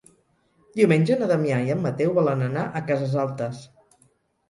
Diumenge na Damià i en Mateu volen anar a Cases Altes.